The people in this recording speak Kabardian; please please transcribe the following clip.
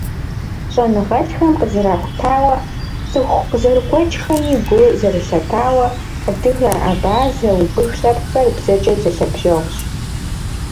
Щӏэныгъэлӏхэм къызэрахутауэ, цӏыху къызэрыгуэкӏхэми гу зэрылъатауэ, адыгэ, абазэ, убых лъэпкъхэр бзэкӏэ зэлъэбжьэгъущ.